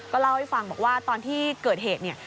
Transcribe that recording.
เล่าให้ฟังบอกว่าตอนที่เกิดเหตุเนี่ย